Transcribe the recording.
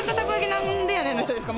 何でやねんの人ですか？